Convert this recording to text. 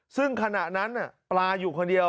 ซึ่งขณะนั้นปลาอยู่คนเดียว